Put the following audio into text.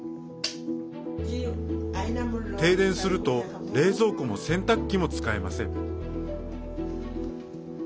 停電すると冷蔵庫も洗濯機も使えません。